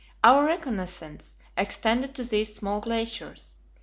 Our reconnaissance extended to these small glaciers.